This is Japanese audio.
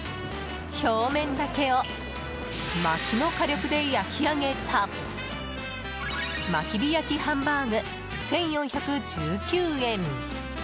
表面だけをまきの火力で焼き上げた薪火焼ハンバーグ、１４１９円。